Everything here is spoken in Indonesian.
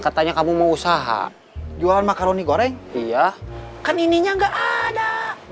katanya kamu mau usaha jualan makaroni goreng iya kan ininya nggak ada